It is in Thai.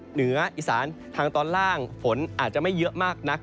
เหนืออีสานทางตอนล่างฝนอาจจะไม่เยอะมากนัก